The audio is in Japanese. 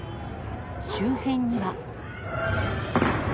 周辺には。